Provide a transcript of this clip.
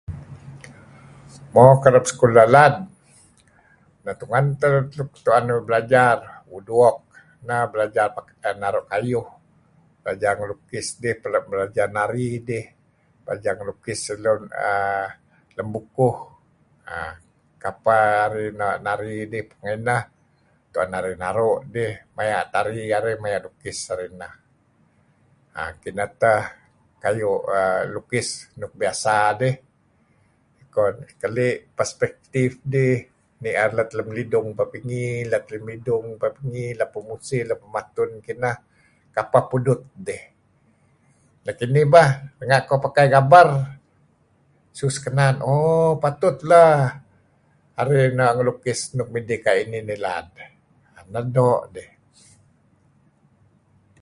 Mo kereb sekulah lad, ineh suk ru'en uih belajar iyeh ineh woodwork neh belajar naru' kayuh, belajar ngelukis dih, belajar nari dih, belajar ngelukis lem[err] lem bukuh err kapeh arih no' nari dih, pengeh ineh 'an arih naru' dih maya' lukis arih neh, Kineh teh kayu' lukis luk biasa dih ikoh keli' perspective dih, ni'er let lem lidung peh pingi, lem lidung peh pingi, let peh musih, peh patun kineh kapeh pudut dih. Nekinih bah renga' koh pakai gaber ngesu sekenan ooh patut lah arih ngelukis luk midih kayu' inih ilad. Neh doo' dih.